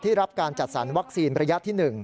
รับการจัดสรรวัคซีนระยะที่๑